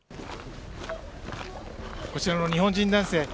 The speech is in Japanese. こちらの日本人男性